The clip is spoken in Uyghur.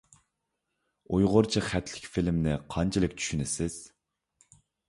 ئۇيغۇرچە خەتلىك فىلىمنى قانچىلىك چۈشىنىسىز؟